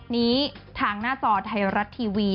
นี้ทางหน้าจอไทยรัฐทีวี